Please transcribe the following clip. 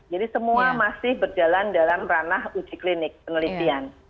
jadi semua masih berjalan dalam ranah uji klinik penelitian